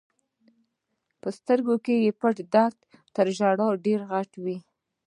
په سترګو کې پټ درد تر ژړا ډېر غټ وي.